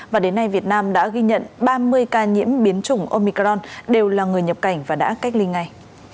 và đến nay việt nam đã ghi nhận ba mươi ca nhiễm biến chủng omicron đều là người nhập cảnh và đã cách ly ngay